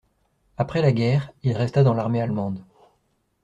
Après la guerre, il resta dans l'armée allemande.